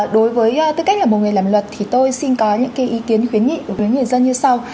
đối với tư cách là một người làm luật thì tôi xin có những cái ý kiến khuyến nhị của quý vị nhân dân như sau